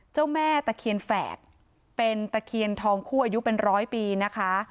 เจ้าแม่ตะเคียนแฝดเป็นตะเคียนทองคู่อายุเป็นร้อยปีนะคะ